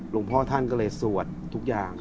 หลวงพ่อท่านก็เลยสวดทุกอย่าง